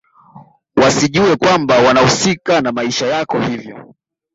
wasijue kwamba wanahusika na maisha yako hivyo